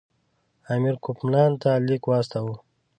امیر کوفمان ته لیک واستاوه.